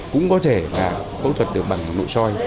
cũng có thể là phẫu thuật được bằng nội soi